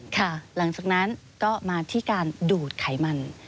หลังจากนั้นก็มาที่การดูดไขมัน